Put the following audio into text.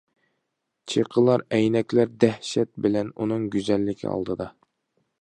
چېقىلار ئەينەكلەر دەھشەت بىلەن ئۇنىڭ گۈزەللىكى ئالدىدا.